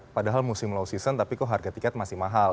padahal musim low season tapi kok harga tiket masih mahal